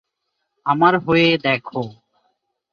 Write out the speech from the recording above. আমার হয়ে দেখ।